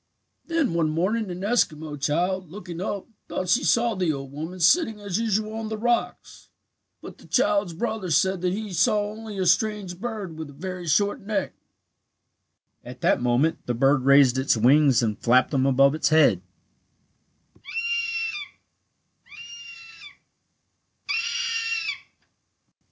"Then one morning an Eskimo child, looking up, thought she saw the old woman sitting as usual on the rocks. But the child's brother said that he saw only a strange bird with a very short neck. "At that moment the bird raised its wings and flapped them above its head.